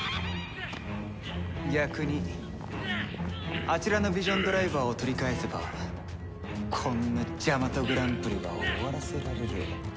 逆にあちらのヴィジョンドライバーを取り返せばこんなジャマトグランプリは終わらせられる。